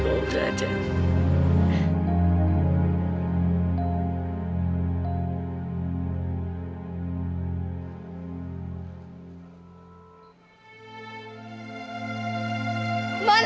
terakhir dia disitu ma